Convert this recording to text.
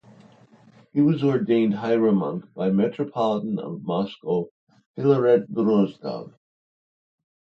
He was ordained hieromonk by Metropolitan of Moscow Philaret Drozdov.